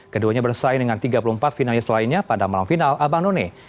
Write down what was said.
keduanya bersaing dengan tiga puluh empat finalis lainnya pada malam final abang none